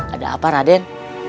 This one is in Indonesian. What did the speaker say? ada apa raden